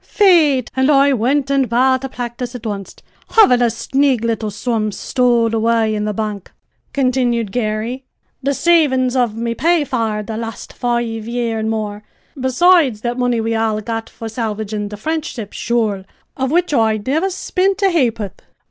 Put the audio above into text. "Faith, and I wint an' bought a practis' at onst, havin' a snig little sum stowed away in the bank," continued Garry, "the savin's of me pay for the last five year an' more, besides that money we all got for salvagin' the French ship, sure, of which I nivver spint a ha'poth.